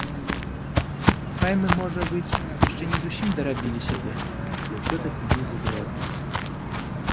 Хай мы, можа быць, яшчэ не зусім дарабілі сябе, але ўсё-такі мы ўжо беларусы.